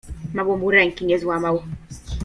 Mało mu ręki nie złamał.